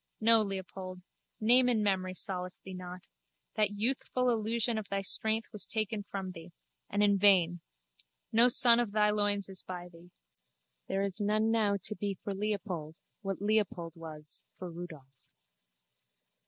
No, Leopold. Name and memory solace thee not. That youthful illusion of thy strength was taken from thee—and in vain. No son of thy loins is by thee. There is none now to be for Leopold, what Leopold was for Rudolph.